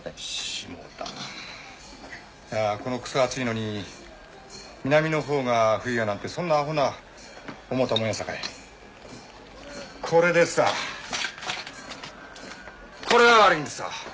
しもうたいやこのクソ暑いのに南のほうが冬やなんてそんなアホな思うたもんやさかいこれですわこれが悪いんですわ！